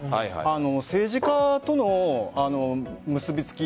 政治家との結びつき。